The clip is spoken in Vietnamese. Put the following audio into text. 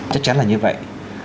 chắc chắn là như vậy